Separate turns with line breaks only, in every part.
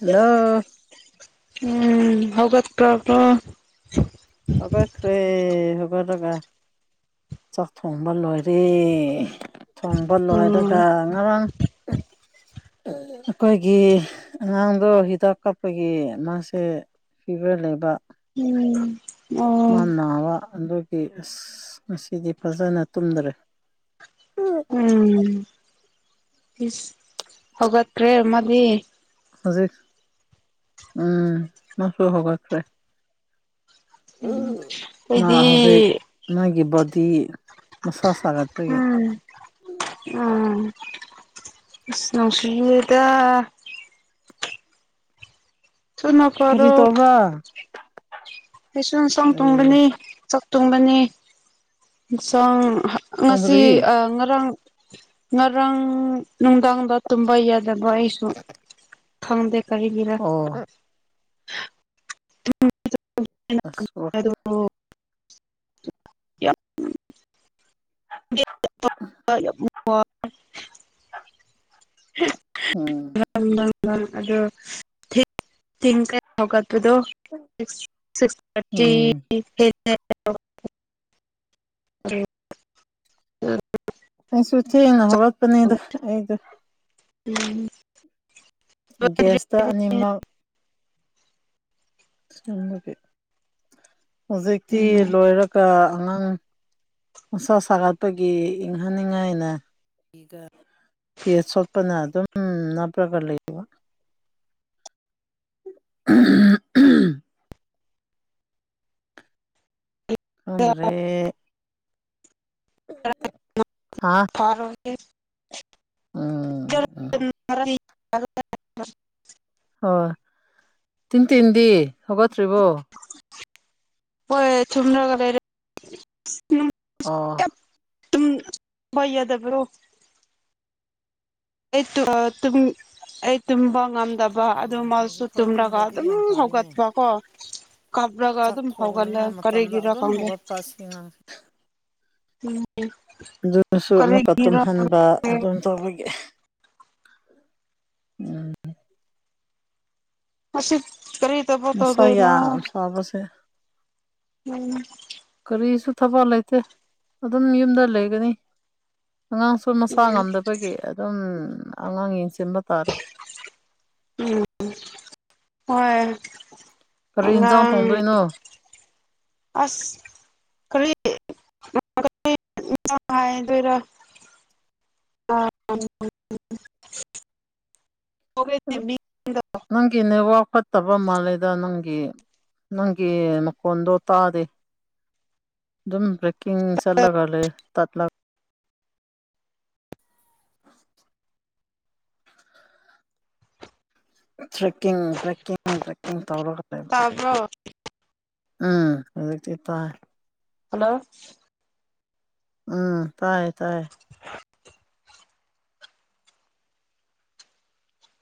Hello.
ꯎꯝ ꯍꯒꯠ ꯄꯥꯔꯕꯣ꯫
ꯍꯧꯒꯠ ꯈ꯭ꯔꯦ ꯍꯧꯒꯠꯂꯒ ꯆꯥꯛ ꯊꯣꯡꯕ ꯂꯣꯏꯔꯦ ꯊꯣꯡꯕ
ꯎꯝ
ꯂꯣꯏꯔꯒ ꯉꯔꯥꯡ ꯑꯩꯈꯣꯏꯒꯤ ꯑꯉꯥꯡꯗꯣ ꯍꯤꯗꯥꯛ ꯀꯥꯞꯄꯒꯤ ꯃꯥꯁꯦ ꯐꯤꯕꯔ ꯂꯩꯕ꯫
ꯎꯝ
ꯃꯥ
ꯑꯣ
ꯅꯥꯕ ꯑꯗꯨꯒꯤ ꯑꯁ ꯉꯁꯤꯗꯤ ꯐꯖꯅ ꯇꯨꯝꯗꯔꯦ
ꯎꯝ ꯏꯁ ꯍꯧꯒꯠꯈ꯭ꯔꯦ ꯑꯃꯗꯤ
ꯍꯧꯖꯤꯛ ꯎꯝ ꯃꯁꯨ ꯍꯧꯒꯠꯈ꯭ꯔꯦ
ꯎꯝ
ꯃꯥ ꯍꯧꯖꯤꯛ
ꯑꯩꯗꯤ
ꯃꯥꯒꯤ ꯕꯣꯗꯤ ꯃꯁꯥ ꯁꯥꯒꯠꯄꯒꯤ
ꯎꯝ ꯎꯝ ꯑꯁ ꯅꯨꯡꯁꯤꯌꯦꯗꯥ ꯊꯨꯅ
ꯀꯔꯤ ꯇꯧꯕ꯭ꯔꯥ
ꯀꯩꯁꯨꯁꯥꯡ [unintelligible]
ꯑꯦ
ꯇꯣꯡꯕꯅꯤ ꯆꯥꯛ ꯇꯣꯡꯕꯅꯤ ꯍ‌ꯦꯟꯁꯥꯡ ꯉꯁꯤ
ꯊꯣꯡꯗ꯭ꯔꯤ
ꯉꯔꯥꯡ ꯉꯔꯥꯡ ꯅꯨꯡꯗꯥꯡꯗ ꯇꯨꯝꯕ ꯌꯥꯗꯕ ꯑꯩꯁꯨ ꯈꯪꯗ ꯀꯔꯤꯒꯤꯔꯥ
ꯑꯣ ꯑꯁ
[unintelligible] ꯎ [unintelligible]
ꯎꯝ
ꯎꯪ ꯂꯪ ꯂꯪ ꯑꯗꯣ [unintelligible] ꯊ‌ꯦꯡꯈꯔ‌ꯦ ꯍꯧꯒꯠꯄꯗꫭ [unintelligible] ꯁꯤꯛꯁ ꯊꯔꯇꯤ
ꯎꯝ ꯑꯩꯁꯨ ꯊꯦꯡꯅ ꯍꯧꯒꯠꯄꯅꯤꯗ ꯑꯩꯗꯣ
ꯎꯝ
ꯒꯦꯁꯇ ꯑꯅꯤꯃꯛ ꯃꯒ [unintelligible] ꯍꯧꯖꯤꯛꯇꯤ ꯂꯣꯏꯔꯛ ꯀ ꯑꯉꯥꯡ ꯃꯁꯥ ꯁꯥꯒꯠꯄꯒꯤ ꯏꯪꯍꯟꯅꯤꯡꯉꯥꯏꯅ ꯐꯤ ꯑꯆꫭꯠꯄꯅ ꯑꯗꯨꯝ ꯅꯞꯂꯒ ꯂꯩ ꯎꯝ [unintelligible] ꯈꯪꯗ꯭ꯔꯦ ꯍꯥ
ꯐꯔ
ꯎꯝ ꯎꯝ
[unintelligible] [unintelligible]
ꯍꯣꯏ ꯇꯤꯟ ꯇꯤꯟꯗꯤ ꯍꯧꯒꯠꯇ꯭ꯔꯤꯕꯣ
ꯍꯣꯏ ꯊꯨꯝꯅꯒ ꯂꯩꯔ ꯎꯝ [unintelligible]
ꯑꯣ
ꯇꯝꯕ ꯌꯥꯗꯕ꯭ꯔꯣ ꯑꯩ ꯑ [unintelligible] ꯇꯨꯝꯕꯉꯝꯗꯕ ꯕ ꯑꯗꯨ
ꯑꯥ
ꯑꯗꯨꯃꯁꯨ
ꯍꯧꯖꯤꯛꯐꯥꯎ
ꯇꯨꯝꯂꯒ
ꯇꯨꯝꯗ꯭ꯔꯗꯤ
ꯑꯗꯨꯝ
ꯌꯥꯝ ꯐꯔꯤꯅꯦ
ꯍꯧꯒꯠꯄ ꯀꯣ ꯀꯥꯞꯂꯒ ꯑꯗꯨꯝ ꯍꯧꯒꯜꯂꯦ ꯀꯔꯤꯒꯤꯔꯥ ꯈꯪꯗꯦ
ꯄꯁꯤꯅ
ꯎꯝ
ꯑꯗꯨꯅꯁꯨ ꯑꯃꯨꯛꯀ
ꯀꯔꯤꯒꯤꯔ
ꯇꯨꯝꯍꯟꯕ ꯑꯗꯨꯝ ꯇꯧꯕꯒꯤ ꯎꯝ
ꯃꯁꯨꯠ [unintelligible] ꯀꯔꯤ ꯇꯕꯛ ꯇꯧꯗꫭꯏꯅꯣ
ꯄꯥꯕꯁꯦ
ꯎꯝ
ꯀꯔꯤꯁꯨ ꯊꯕꯛ ꯂꯩꯇꯦ ꯑꯗꯨꯝ ꯌꯨꯝꯗ ꯂꯩꯒꯅꯤ ꯑꯉꯥꯡ ꯁ꯭ꯀꯨꯜ ꯃꯁꯥ ꯉꯝꯗꯕꯒꯤ ꯑꯗꯨꯝ ꯑꯉꯥꯡ ꯌꯦꯡꯁꯤꯟꯕ ꯇꯥꯔꯦ
ꯎꯝ ꯍꯣꯏ
ꯀꯔꯤ ꯍꯤꯟꯖꯥꯡ
ꯑꯉꯥꯡ
ꯊꫭꯡꯗꯣꯏꯅꯣ
ꯑꯁ ꯀꯔꯤ [unintelligible] ꯍꯥꯏꯗꯣꯏꯔꯥ ꯑꯥ [unintelligible] ꯑꯣꯦ ꯆꯃꯤ [unintelligible]
ꯅꯪꯒꯤ ꯅꯦꯠꯋꯥꯔꯛ ꯐꯠꯇꯕ ꯃꯥꯂꯦꯗ ꯅꯪꯒꯤ ꯅꯪꯒꯤ ꯃꯈꯣꯟꯗꯣ ꯇꯥꯗꯦ ꯑꯗꯨꯝ ꯀꯤꯡ ꯆꯠꯂꯒ ꯂꯩꯌꯦ ꯇꯠ ꯂ [inaudible] ꯇ꯭ꯔꯦꯛꯀꯤꯡ ꯄ꯭ꯔꯦꯛꯀꯤꯡ ꯄ꯭ꯔꯦꯛꯀꯤꯡ ꯇꯧꯔꯒ ꯂꯩꯕ
ꯇꯥꯕ꯭ꯔꯣ
ꯎꯝ ꯍꯟꯗꯛꯇꯤ ꯇꯥꯢ
ꯍꯜꯂꯣ
ꯎꯝ ꯇꯥꯏꯌꯦ ꯇꯥꯏꯌꯦ
[unintelligible]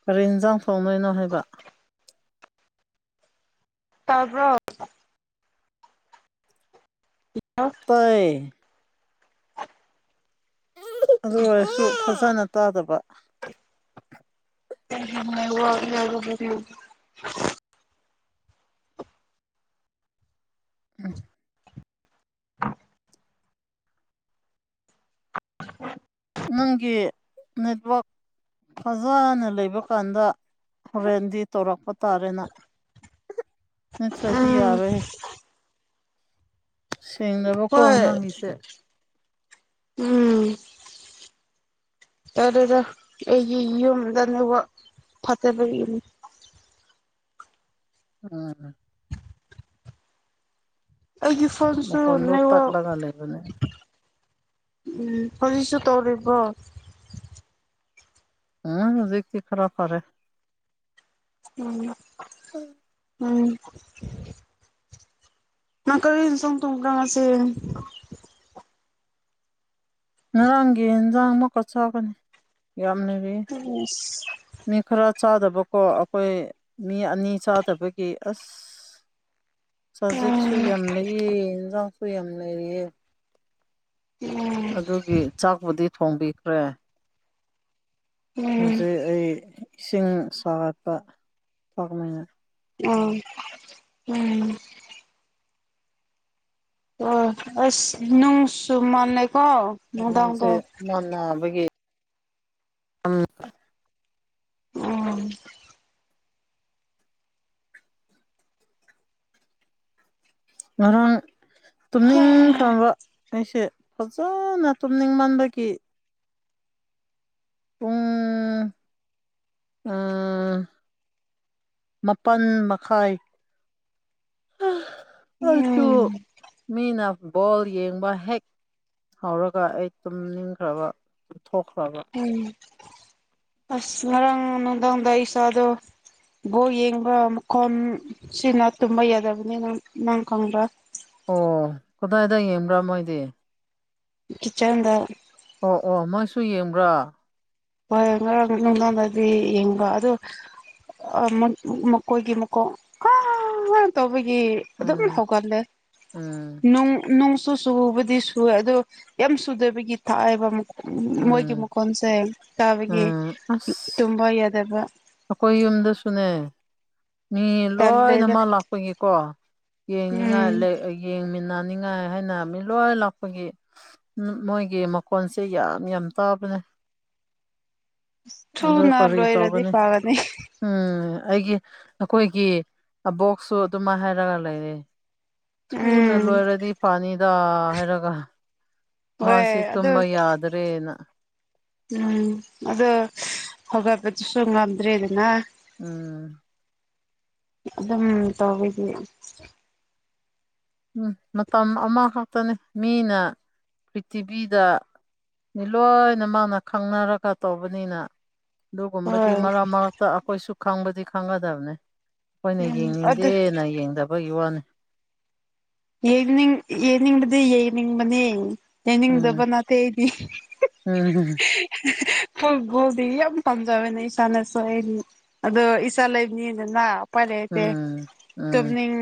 ꯀꯔꯤ ꯌꯦꯟꯁꯥꯡ ꯊꯣꯡꯗꯣꯢꯅꯣ ꯍꯥꯏꯕ
ꯇꯥꯕ꯭ꯔꯣ
ꯇꯥꯢꯌꯦ ꯑꯗꯨ ꯑꯣꯏꯔꯁꯨ ꯐꯖꯅ ꯇꯥꯗꯕ
[unintelligible]
ꯎꯝ
[inaudible] [unintelligible]
ꯅꯪꯒꯤ ꯅꯦꯠꯋꯥꯛ ꯐꯖꯅ ꯂꯩꯕ ꯀꯥꯟꯗ ꯍꯣꯔꯦꯟꯗꯤ ꯇꯧꯔꯛꯄ ꯇꯥꯔꯦꯅ ꯅꯠꯇ꯭ꯔꯗꯤ
ꯎꯝ
ꯌꯥꯔꯣꯏꯍꯦ ꯁꯦꯡꯗꯕ
ꯍꯣꯏ ꯎꯝ ꯇꯜꯂꯦꯗ ꯑꯩꯒꯤ ꯌꯨꯝꯗ ꯅꯦꯠꯋꯥꯛ ꯐꯠꯇꯕꯒꯤꯅꯤ
ꯎꯝ
ꯑꯩꯒꯤ ꯐꯣꯟꯁꯨ
ꯃꯈꯣꯟꯗꯣ
ꯅꯦꯠꯋꯥꯛ
ꯇꯠꯂꯒ ꯂꯩꯕꯅꯦ
ꯎꯝ ꯍꯧꯖꯤꯛꯁꯨ ꯇꯧꯔꯤꯕꯣ
ꯎꯝ ꯍꯧꯖꯤꯛꯇꯤ ꯈꯔ ꯐꯔꯦ
ꯎꯝ ꯎꯝ ꯅꯪ ꯀꯔꯤ ꯌꯦꯟꯁꯥꯡ ꯊꯣꯡꯕ꯭ꯔꯥ ꯉꯁꯤ
ꯉꯔꯥꯡꯒꯤ ꯌꯦꯟꯖꯥꯡ ꯑꯃꯨꯛꯀ ꯆꯥꯒꯅꯤ ꯌꯥꯝ ꯂꯩꯔꯤꯌꯦ
ꯎꯝ
ꯃꯤ ꯈꯔ ꯆꯥꯗꯕꯀꯣ ꯑꯩꯈꯣꯏ ꯃꯤ ꯑꯅꯤ ꯆꯥꯗꯕꯒꯤ ꯑꯁ
[inaudible]
ꯆꯥꯖꯤꯛꯁꯨ ꯌꯥꯝ ꯂꯩꯌꯦ ꯏꯟꯖꯥꯡꯁꯨ ꯌꯥꯝ ꯂꯩꯔꯤꯌꯦ
ꯎꯝ
ꯑꯗꯨꯒꯤ ꯆꯥꯛꯄꯨꯗꯤ ꯊꯣꯡꯕꯤꯈ꯭ꯔꯦ
ꯎꯝ
ꯍꯧꯖꯤꯛ ꯑꯩ ꯏꯁꯤꯡ ꯁꯥꯒꯠꯄ ꯊꯛꯅꯤꯡꯉꯦ
ꯑꯣ ꯎꯝ ꯑꯣ ꯑꯁ ꯅꯨꯡꯁꯨ ꯃꯅꯩꯀꯣ
ꯃꯤꯡꯁꯦ ꯃꯥꯟꯅꯕꯒꯤ
ꯎꯝ
ꯉꯔꯥꯡ ꯇꯨꯝꯅꯤꯡꯈ꯭ꯔꯕ ꯑꯩꯁꯦ ꯐꯖꯅ ꯇꯨꯝꯅꯤꯡꯃꯟꯕꯒꯤ ꯄꯨꯡ ꯑꯥ ꯃꯥꯄꯜ ꯃꯈꯥꯏ ꯑꯗꯣ
ꯎꯝ
ꯃꯤꯅꯥ ꯕꯣꯜ ꯌꯦꯡꯕ ꯍꯦꯛ ꯍꯧꯔꯒ ꯑꯩ ꯇꯨꯝꯅꯤꯡꯈ꯭ꯔꯕ ꯊꯣꯛꯈ꯭ꯔꯕ
ꯎꯝ ꯑꯁ ꯉꯔꯥꯡ ꯅꯨꯡꯗꯥꯡꯗ ꯏꯁꯥꯗꯣ ꯕꯣꯟ ꯌꯦꯡꯕ ꯃꯈꯣꯟ ꯁꯤꯅ ꯇꯨꯝꯕ ꯌꯥꯗꯕꯅꯤ ꯅꯪ ꯈꯪꯕ꯭ꯔꯥ
ꯑꯣ ꯀꯗꯥꯏꯗ ꯌꯦꯡꯕ꯭ꯔꯥ ꯃꯣꯏꯗꯤ
ꯀꯤꯆꯟꯗ
ꯑꯣ ꯑꯣ ꯃꯣꯏꯁꯨ ꯌꯦꯡꯕ꯭ꯔ
ꯍꯣꯏ ꯉꯔꯥꯡ ꯅꯨꯡꯗꯥꯡꯗꯗꯤ ꯌꯦꯡꯕ ꯑꯗꯨ ꯑ ꯃ ꯃꯀꯣꯏꯒꯤ ꯃꯀꯣꯛ ꯑꯥ ꯇꯧꯕꯒꯤ ꯑꯗꯨꯝ
ꯎꯝ
ꯍꯧꯒꯠꯂꯦ
ꯎꯝ
ꯅꯨꯡ ꯅꯨꯡꯁ ꯁꯨ ꯁꯨꯨꯕꯗꯤ ꯁꯨꯋꯦ ꯑꯗꯣ ꯌꯥꯝ ꯁꯨꯗꯕꯒꯤ ꯊꯥꯏꯑꯦꯕ ꯃꯈ‌ꯣ ꯃꯣꯏꯒꯤ
ꯎꯝ
ꯃꯈꯣꯟꯁꯦ ꯇꯥꯕꯒꯤ
ꯎꯝ ꯑꯁ
ꯇꯨꯝꯕ ꯌꯥꯗꯕ
ꯑꯩꯈꯣꯏ ꯌꯨꯝꯗꯁꯨꯅꯦ ꯃꯤ
ꯇꯜꯂꯦꯗ
ꯂꯣꯏꯅꯃꯛ ꯂꯥꯛꯄꯒꯤꯀꯣ ꯌꯦꯡꯅꯤꯡꯉꯥꯏ
ꯎꯝ
ꯌꯦꯡꯃꯤꯟꯅꯅꯤꯡꯉꯥꯏ ꯍꯥꯏꯅ ꯃꯤ ꯂꯣꯏ ꯂꯥꯛꯄꯒꯤ ꯃꯣꯏꯒꯤ ꯃꯈꯣꯟꯁꯦ ꯌꯥꯝ ꯌꯥꯝ ꯇꯥꯕꯅꯦ ꯑꯗꯨ
ꯊꯨꯅ
ꯀꯔꯤ
ꯂꯣꯏꯔꯗꯤ
ꯇꯧꯒꯅꯤ
ꯐꯒꯅꯤ
ꯎꯝ ꯑꯩꯒꯤ ꯅꯈꯣꯏꯒꯤ ꯑꯕꯣꯛꯁꯨ ꯑꯗꯨꯝꯃꯥꯏꯅ ꯍꯥꯏꯔꯒ ꯂꯩꯔꯦ ꯊꯨꯅ
ꯎꯝ
ꯂꯣꯏꯔꯗꯤ ꯐꯅꯤꯗ ꯍꯥꯏꯔꯒ
ꯍꯣꯏ
ꯃꯥꯁꯤ
ꯑꯗꯨ
ꯇꯨꯝꯕ ꯌꯥꯗ꯭ꯔꯦꯅ
ꯎꯝ ꯑꯗꯣ ꯍꯧꯒꯠꯄꯗꯨꯁꯨ ꯉꯝꯗ꯭ꯔꯦꯗꯅ
ꯎꯝ
ꯑꯗꯨꯝ ꯇꯧꯋꯤꯗꯤ
ꯎꯝ ꯃꯇꯝ ꯑꯃꯈꯛꯇꯅꯤ ꯃꯤꯅ ꯄ꯭ꯔꯤꯊꯤꯕꯤꯗ ꯂꯣꯏꯅꯃꯛꯅ ꯈꯪꯅꯔꯒ ꯇꯧꯕꯅꯤꯅ ꯑꯗꯨꯒꯨꯝꯕꯗꯤ
ꯍꯣꯏ
ꯃꯔꯛ ꯃꯔꯛꯇ ꯑꯩꯈꯣꯏꯁꯨ ꯈꯪꯕꯗꯤ ꯈꯪꯒꯗꯕꯅꯤ ꯈ‌ꯣꯏꯅ
ꯎꯝ ꯑꯗꯨ
ꯌꯦꯡꯅꯤꯡꯗꯦꯅ ꯌꯦꯡꯗꯕꯒꯤ ꯋꯥꯅꯤ
ꯌꯦꯜꯅꯤꯡ ꯌꯦꯅꯤꯡꯗꯤ ꯌꯦꯜꯅꯤꯡꯕꯅ‌ꯦ ꯌ‌ꯦꯡꯅꯤꯡꯗꯕ
ꯎꯝ
ꯅꯠꯇꯦ ꯑꯩꯗꯤ
ꯎꯝ
ꯈ‌ꯣꯏꯒꯨꯗꯤ ꯌꯥꯝ ꯄꯥꯝꯖꯕꯦꯅꯦ ꯏꯁꯥꯅ ꯁ‌ꯣꯛꯑꯦꯗꯤ ꯑꯗꯣ ꯏꯁꯥ ꯂꯩꯕꯅꯤꯗꯅ ꯎꯄꯥꯏ ꯂꯩꯔꯛꯇ‌ꯦ
ꯎꯝ ꯎꯝ
ꯇꯨꯝꯅꯤꯡ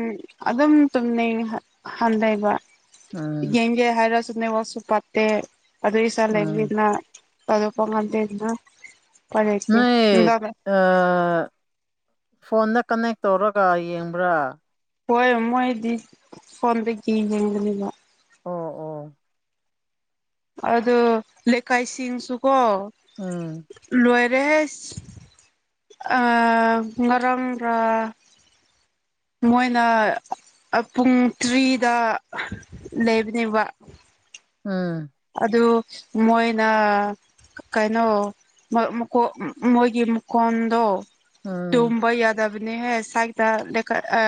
ꯑꯗꯨꯝ ꯇꯨꯝꯅꯤꯡꯍꯟ ꯍꯟꯗ‌ꯦꯕ
ꯎꯝ
ꯌꯦꯡꯒꯦ ꯍꯥꯏꯔꯁꯨ ꯇꯨꯝꯅꯤꯡꯋꯥꯁꯨ ꯄꯠꯇꯦ ꯑꯗꯨ ꯏꯆꯥ
ꯎꯝ
ꯂꯩꯕꯅꯤꯅ ꯊꯥꯗ‌ꯣꯛꯄ ꯉꯝꯗꯦꯗꯅ ꯎꯄꯥꯏ ꯂꯩꯇꯦ
ꯅ‌ꯣꯏ ꯐꯣꯟꯗ ꯀꯟꯅꯦꯛ ꯇꯧꯔꯒ ꯌꯦꯡꯕ꯭ꯔꯥ
ꯍꯣꯏ ꯃꯣꯏꯗꯤ ꯐꯣꯟꯗꯒꯤ ꯌꯦꯡꯕꯅꯦꯕ
ꯑꯣ ꯑꯣ
ꯑꯗ‌ꯣ ꯂꯩꯀꯥꯏꯁꯤꯡꯁꯨꯀꯣ
ꯎꯝ
ꯂꯣꯏꯔꯦꯍ‌ꯦꯁ ꯑꯥ ꯉꯔꯥꯡ ꯔ ꯃꯣꯏꯅ ꯄꯨꯡ ꯇ꯭ꯔꯤꯗ ꯂꯩꯕꯅꯦꯕ
ꯎꯝ
ꯑꯗꯨ ꯃꯣꯏꯅ ꯀꯩꯅꯣ [unintelligible] ꯃꯣꯏꯒꯤ ꯃꯈ‌ꯣꯟꯗꯣ
ꯎꯝ
ꯇꯨꯝꯕꯥ ꯌꯥꯗꯕꯅ‌ꯦꯍ‌ꯦ ꯁꯥꯏꯗ ꯂ‌ꯦꯞꯈꯠ ꯑ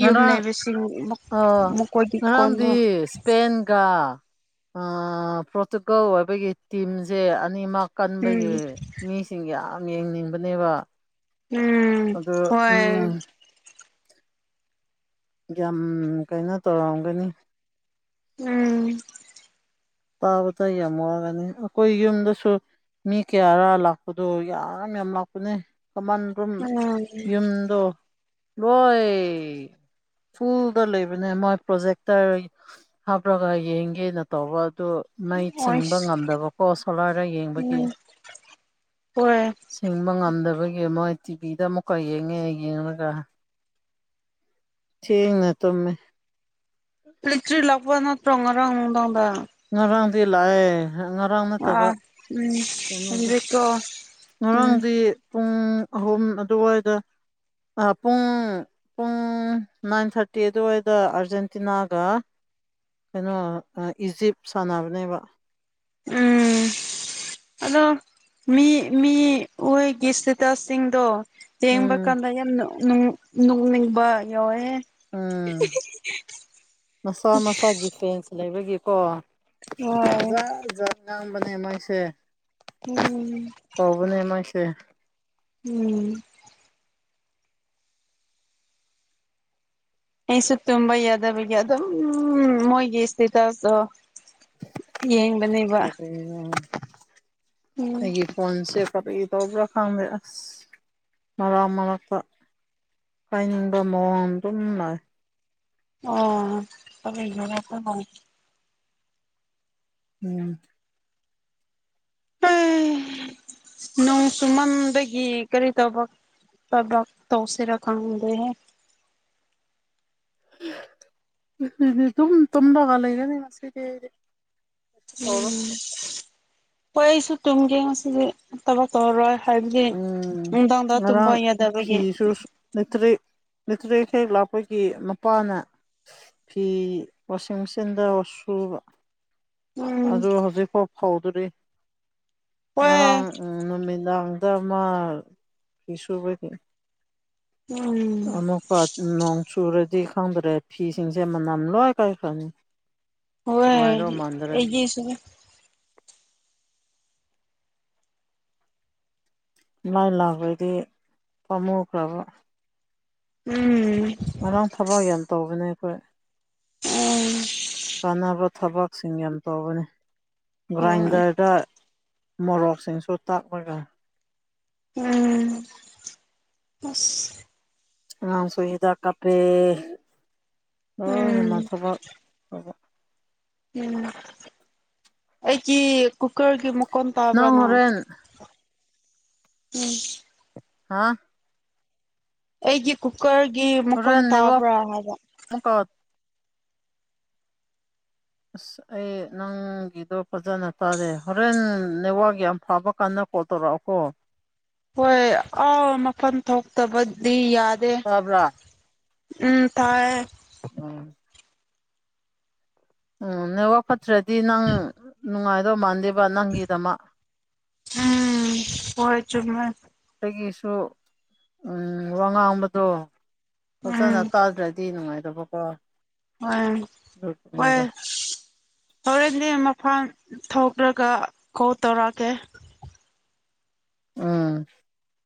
ꯉꯔꯥꯡ
ꯌꯨꯝꯅꯩꯕꯁꯤꯡ ꯃ ꯃꯈꯣꯏꯒꯤ ꯀꯣꯟꯗꯣ
ꯄꯦꯟꯒ ꯑꯥ ꯄꯣꯔꯇꯨꯒꯜ ꯑꯣꯏꯕꯒꯤ ꯇꯤꯝꯖ‌ꯦ ꯑꯅꯤꯃꯛ ꯀꯟꯕꯒꯤ
ꯎꯝ
ꯃꯤꯁꯤꯡ ꯌꯥꯝ ꯌꯦꯡꯅꯤꯡꯕꯅꯦꯕ
ꯎꯝ
ꯑꯗꯨ ꯎꯝ
ꯍꯣꯏ
ꯌꯥꯝ ꯀꯩꯅꯣ ꯇꯧꯔꯝꯒꯅꯤ
ꯎꯝ
ꯇꯥꯕꯇ ꯌꯥꯝ ꯋꯥꯒꯅꯤ ꯑꯩꯈꯣꯏ ꯌꯨꯝꯗꯁꯨ ꯃꯤ ꯀꯌꯥꯔ ꯂꯥꯛꯄꯗꯣ ꯌꯥꯝ ꯌꯥꯝ ꯂꯥꯛꯄꯅꯦ ꯀꯃꯟ ꯔꯨꯝ
ꯎꯝ
ꯌꯨꯝꯗꯣ ꯂꯣꯏ ꯐꯨꯜꯗ ꯂꯩꯕꯅꯦ ꯃꯣꯏ ꯄ꯭ꯔꯣꯖꯦꯛꯇꯔ ꯍꯥꯞꯔꯒ ꯌꯦꯡꯒꯦꯅ ꯇꯧꯕ ꯑꯗꯨ ꯃꯩ ꯆꯤꯡꯕ
ꯑꯣꯏꯁ
ꯉꯝꯗꯕꯀꯣ ꯁꯣꯂꯥꯔꯗꯩ ꯌꯦꯡꯕꯒꯤ
ꯎꯝ ꯍꯣꯏ
ꯁꯤꯡꯕ ꯉꯝꯗꯕꯒꯤ ꯃꯣꯏ ꯇꯤꯚꯤꯗ ꯑꯃꯨꯛꯀ ꯌꯦꯡꯉꯦ ꯌꯦꯡꯂꯒ ꯊꯦꯡꯅ ꯇꯨꯝꯃꯦ
ꯑꯦꯂꯦꯇ꯭ꯔꯤꯛ ꯂꯥꯛꯄ ꯅꯠꯇ꯭ꯔꯣ ꯉꯔꯥꯡ ꯅꯨꯡꯗꯥꯡꯗ
ꯉꯔꯥꯡꯗꯤ ꯂꯥꯛꯑꯦ ꯉꯔꯥꯡ ꯅꯠꯇꯕ
ꯑꯥ ꯎꯝ
ꯀꯩꯅꯣꯗꯣ
ꯍꯧꯖꯤꯛꯀꯣ ꯎꯝ
ꯉꯔꯥꯡꯗꯤ ꯄꯨꯡ ꯑꯍꯨꯝ ꯑꯗꯨꯋꯥꯏꯗ ꯄꯨꯡ ꯄꯨꯡ ꯅꯥꯏꯟ ꯊꯥꯔꯇꯤ ꯑꯗꯨꯋꯥꯏꯗ ꯑꯥꯔꯖꯦꯟꯇꯤꯅꯥꯒ ꯀꯩꯅꯣ ꯏꯖꯤꯞ ꯁꯥꯟꯅꯕꯅꯦꯕ
ꯎꯝ ꯑꯗꯣ ꯃꯤ ꯃꯤ ꯑꯣꯢꯒꯤ ꯏꯁꯇꯦꯇꯁ ꯁꯤꯡꯗꯣ ꯌꯦꯡꯕ
ꯎꯝ
ꯀꯥꯟꯗ ꯌꯥꯝ ꯅꯣꯛꯅꯤꯡꯕ ꯌꯥꯎꯋꯦꯍꯦ
ꯎꯝ ꯃꯁꯥ ꯃꯁꯥꯒꯤ ꯐꯦꯟꯁ ꯂꯩꯕꯒꯤꯀꯣ
ꯍꯣꯏ
ꯖꯥ ꯖꯥ ꯉꯥꯡꯕꯅꯦ ꯃꯣꯏꯁꯦ
ꯎꯝ
ꯇꯧꯕꯅꯦ ꯃꯣꯢꯀꯤ
ꯎꯝ ꯑꯩꯁꯨ ꯇꯨꯝꯕ ꯌꯥꯗꯕꯒꯤ ꯑꯗꯨꯝ ꯃꯣꯏꯒꯤ ꯏꯁꯇꯦꯇꯁꯇꯣ ꯌꯦꯡꯕꯅꯤ ꯋꯥ
ꯑꯣ ꯑꯩꯒꯤ ꯐꯣꯟꯁꯦ ꯀꯔꯤ ꯇꯧꯕ꯭ꯔꯥ ꯈꯪꯗꯦ ꯑꯁ ꯃꯔꯛ ꯃꯔꯛꯇ ꯄꯥꯏꯅꯤꯡꯕ ꯃꯑꯣꯡ ꯑꯗꯨꯝ ꯅꯥꯏ
ꯑꯣ ꯏꯔꯁꯨ [unintelligible]
ꯎꯝ
ꯅꯣꯡ ꯁꯨꯃꯟꯗꯒꯤ ꯀꯔꯤ ꯇꯕꯛ ꯊꯕꯛ ꯇꯧꯁꯤꯔꯥ ꯈꯪꯗꯦꯍꯦ
ꯉꯁꯤꯗꯤ ꯗꯨꯝ ꯇꯨꯝꯂꯒ ꯂꯩꯔꯦꯅꯦ ꯉꯁꯤꯗꯤ ꯀꯩꯁꯨ ꯇꯧꯔꯣꯏ
ꯎꯝ ꯍꯣꯏ ꯑꯩꯁꯨ ꯇꯨꯝꯒꯦ ꯉꯁꯤꯗꯤ ꯊꯕꯛ ꯇꯧꯔꯔꯣꯏ ꯍꯥꯏꯕꯗꯤ
ꯎꯝ
ꯅꯨꯡꯗꯥꯡꯗ ꯇꯨꯝꯕ ꯌꯥꯗꯕꯒꯤ
ꯂꯩꯇ꯭ꯔꯦꯠ ꯂꯩꯇ꯭ꯔꯦꯠ ꯍꯦꯛ ꯂꯥꯛꯄꯒꯤ ꯃꯄꯥꯅ ꯐꯤ ꯋꯥꯁꯤꯡ ꯃꯦꯆꯤꯟꯗ ꯁꯨꯕ
ꯎꯝ
ꯑꯗꯨ ꯍꯧꯖꯤꯛꯐꯥꯎ ꯐꯥꯎꯗ꯭ꯔꯤ ꯉꯔꯥꯡ
ꯍꯣꯏ
ꯅꯨꯃꯤꯗꯥꯡꯗ ꯃꯥ ꯀꯁꯨꯕꯗꯤ
ꯎꯝ
ꯑꯃꯨꯛꯀ ꯅꯣꯡ ꯆꯨꯔꯗꯤ ꯈꯪꯗ꯭ꯔꯦ ꯐꯤꯁꯤꯡꯁꯦ ꯃꯅꯝ ꯂꯣꯏ ꯀꯥꯏ ꯈꯪꯉꯤ ꯅꯨꯡꯉꯥꯏꯗꯣ ꯃꯗ꯭ꯔꯦ
ꯌꯦꯁꯨꯒ
ꯃꯥꯏ ꯂꯥꯛꯑꯗꯤ ꯄꯥꯝꯃꯨꯈ꯭ꯔꯕ
ꯎꯝ
ꯉꯔꯥꯡ ꯊꯕꯛ ꯌꯥꯝ ꯇꯧꯕꯅꯦ ꯑꯩꯈꯣꯏ
ꯎꯝ
ꯀꯥꯟꯅꯕ ꯊꯕꯛꯁꯤꯡ ꯌꯥꯝ ꯇꯧꯕꯅꯤ
ꯍꯣꯏ
ꯒ꯭ꯔꯥꯏꯟꯗꯔꯗ ꯃꯣꯔꯣꯛꯁꯤꯡꯁꯨ ꯇꯥꯛꯂꯒ
ꯎꯝ ꯑꯁ
ꯑꯉꯥꯡꯁꯨ ꯍꯤꯗꯥꯛ ꯀꯥꯞꯄꯦ ꯂꯣꯏꯅꯃꯛ
ꯎꯝ
ꯊꯕꯛ ꯊꯧꯕ
ꯎꯝ ꯑꯩꯒꯤ ꯀꯨꯀꯔꯒꯤꯨ ꯃꯈꯣꯟ ꯇꯥꯕꯔ ꯅꯪ ꯎꯝ
ꯍꯥꯥ
ꯑꯩꯒꯤ ꯀꯨꯀꯔꯒꯤ ꯃꯈꯣꯟ ꯇꯥꯕ꯭ꯔꯥ ꯍꯥꯏꯕ
ꯃꯨꯛꯀꯥ ꯑꯁ ꯑꯩ ꯅꯪꯒꯤꯗꯣ ꯐꯖꯅ ꯇꯥꯔꯦ ꯍꯣꯔꯦꯟ ꯅꯦꯋꯥꯛ ꯌꯥꯝ ꯐꯕ ꯀꯥꯟꯅ ꯀꯣꯇꯔ ꯀꯣ
ꯍꯣꯏ ꯑꯥ ꯃꯐꯝ ꯊꯣꯛꯇꯕꯗꯤ ꯌꯥꯗꯦ
ꯇꯥꯕ꯭ꯔꯥ
ꯎꯝ ꯇꯥꯏ
ꯎꯝ ꯎꯝ ꯅꯦꯛꯋ꯭ꯔꯛ ꯐꯠꯇ꯭ꯔꯗꯤ ꯅꯪ ꯅꯨꯡꯉꯥꯏꯗꯧ ꯃꯥꯟꯗꯦꯕ ꯅꯪꯒꯤꯗꯃꯛ
ꯎꯝ ꯍꯣꯏ ꯆꯨꯝꯃꯦ
ꯑꯩꯒꯤꯁꯨ ꯎꯝ ꯋꯥ ꯉꯥꯡꯕꯗꯣ
ꯎꯝ
ꯐꯖꯅ ꯇꯥꯗ꯭ꯔꯗꯤ ꯅꯨꯡꯉꯥꯏꯗꯕꯀꯣ
ꯍꯣꯏ ꯍꯣꯏ ꯍꯣꯔꯦꯟꯗꯤ ꯃꯐꯥꯟ ꯊꯣꯛꯔꯒ ꯀꯣꯜ ꯇꯧꯔꯛꯑꯒꯦ
ꯎꯝ